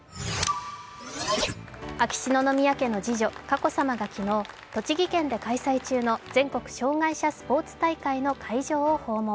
秋篠宮家の次女・佳子さまが昨日、栃木県で開催中の全国障害者スポーツ大会の会場を訪問。